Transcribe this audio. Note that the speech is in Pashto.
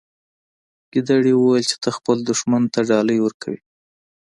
ګیدړې وویل چې ته خپل دښمن ته ډالۍ ورکوي.